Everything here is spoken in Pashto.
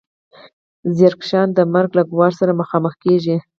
زیارکښان د مرګ له ګواښ سره مخامخ کېږي